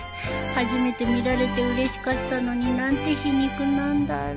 初めて見られてうれしかったのに何て皮肉なんだろう